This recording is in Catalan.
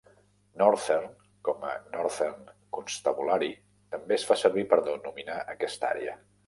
"Northern", com a "Northern Constabulary", també es fa servir per denominar aquesta àrea.